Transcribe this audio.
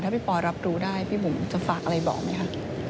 ถ้าพี่ปอยรับรู้ได้พี่บุ๋มจะฝากอะไรบอกไหมคะ